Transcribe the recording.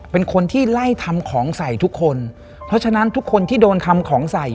เป็นคนที่ไล่ทำของใส่ทุกคนเพราะฉะนั้นทุกคนที่โดนทำของใส่